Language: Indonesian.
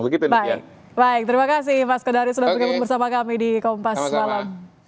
baik baik terima kasih mas kodari sudah bergabung bersama kami di kompas malam